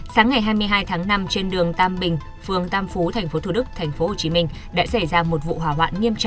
sáng ngày hai mươi hai tháng năm trên đường tam bình phường tam phú tp thủ đức tp hcm đã xảy ra một vụ hỏa hoạ